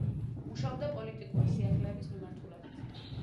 მუშაობდა პოლიტიკური სიახლეების მიმართულებით.